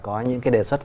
có những cái đề xuất